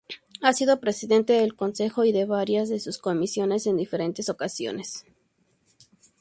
Ha sido presidente del Concejo y de varias de sus comisiones en diferentes ocasiones.